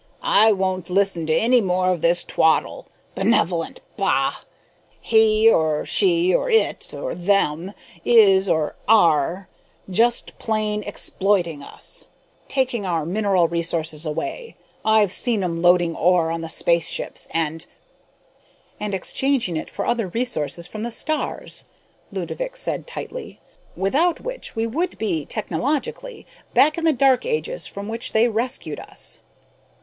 "I won't listen to any more of this twaddle. Benevolent, bah! He or she or it or them is or are just plain exploiting us! Taking our mineral resources away I've seen 'em loading ore on the spaceships and "" and exchanging it for other resources from the stars," Ludovick said tightly, "without which we could not have the perfectly balanced society we have today. Without which we would be, technologically, back in the dark ages from which they rescued us."